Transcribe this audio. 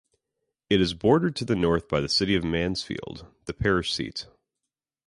It is bordered to the north by the city of Mansfield, the parish seat.